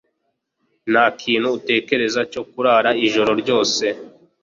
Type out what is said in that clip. Nta kintu atekereza cyo kurara ijoro ryose